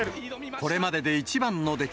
これまでで一番の出来。